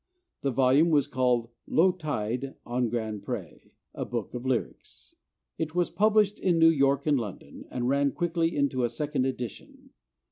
The volume was called 'Low Tide on Grand Pré: a Book of Lyrics.' It was published in New York and London, and ran quickly into a second edition.